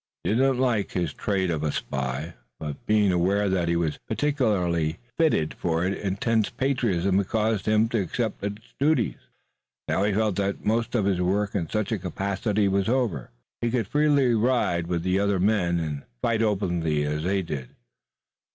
He did not like his trade of a spy, but being aware that he was peculiarly fitted for it intense patriotism had caused him to accept its duties. Now he felt that most of his work in such a capacity was over. He could freely ride with the other men and fight openly as they did.